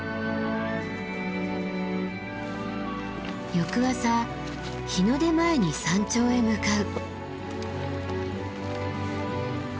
翌朝日の出前に山頂へ向かう。